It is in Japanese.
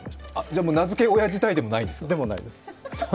じゃ、名付け親自体でもないんですか。ないです。